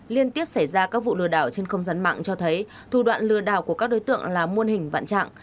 liên tiếp xảy ra các vụ lừa đảo trên không gian mạng cho thấy thủ đoạn lừa đảo của các đối tượng là muôn hình vạn trạng